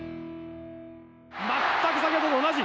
全く先ほどと同じ。